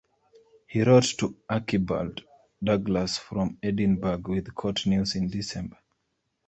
He wrote to Archibald Douglas from Edinburgh with court news in December.